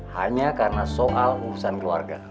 hanya karena soal urusan keluarga